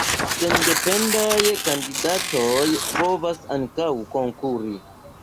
Sendependaj kandidatoj povas ankaŭ konkuri.